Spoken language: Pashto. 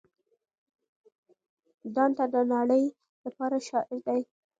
دانته د نړۍ لپاره شاعر دی.